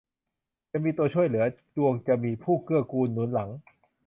จะมีตัวช่วยเหลือ ดวงจะมีผู้เกื้อกูลหนุนหลัง